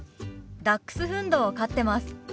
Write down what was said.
ダックスフンドを飼ってます。